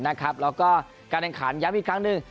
แล้วก็การแข่งขันย้ำอีกครั้งหนึ่ง